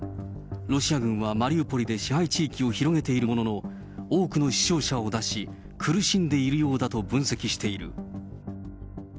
ロシア軍はマリウポリで支配地域を広げているものの、多くの死傷者を出し、苦しんでいるようだと分析している。